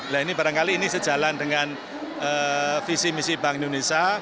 nah ini barangkali ini sejalan dengan visi misi bank indonesia